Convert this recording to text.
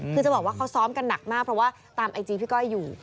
คือจะบอกว่าเขาซ้อมกันหนักมากเพราะว่าตามไอจีพี่ก้อยอยู่